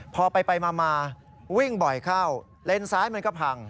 พอไปมาวิ่งบ่อยเข้าเลนซ้ายมันก็พัง